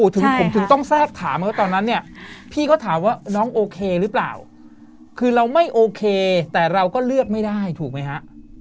ถึงผมถึงต้องแทรกถามว่าตอนนั้นเนี่ยพี่ก็ถามว่าน้องโอเคหรือเปล่าคือเราไม่โอเคแต่เราก็เลือกไม่ได้ถูกไหมฮะ